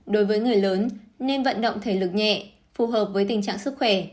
đối với người lớn nên vận động thể lực nhẹ phù hợp với tình trạng sức khỏe